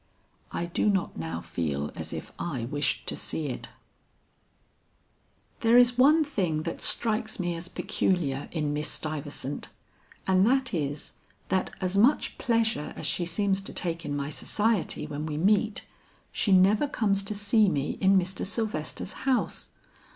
"I do not now feel as if I wished to see it." "There is one thing that strikes me as peculiar in Miss Stuyvesant, and that is, that as much pleasure as she seems to take in my society when we meet, she never comes to see me in Mr. Sylvester's house.